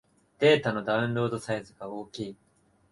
データのダウンロードサイズが大きい